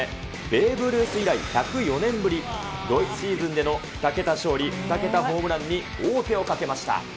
ベーブ・ルース以来、１０４年ぶり、同一シーズンでの２桁勝利、２桁ホームランに王手をかけました。